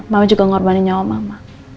mama juga ngorbanin nyawa mama